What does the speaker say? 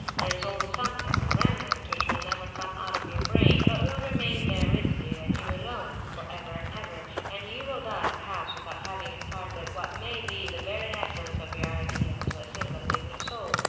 There is always a something, a remnant, which will never come out from your brain, but will remain there with you, and you alone, for ever and ever, and you will die, perhaps, without having imparted what may be the very essence of your idea to a single living soul.